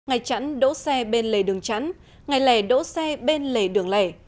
ngày chẵn đỗ xe bên lề đường chẵn ngày lẻ đỗ xe bên lề đường lẻ